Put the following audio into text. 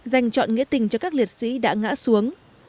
dành chọn nghĩa tình cho các liệt sĩ đã ngã xuống